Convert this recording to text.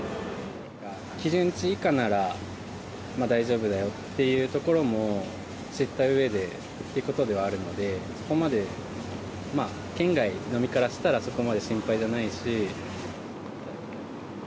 基準値以下なら大丈夫だよっていうところも知ったうえでということではあるので、そこまで、県外の身からしたらそこまで心配じゃないし。